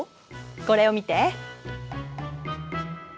これを見て。